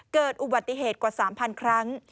เกิดอุบัติเหตุกว่า๓๐๐ครั้ง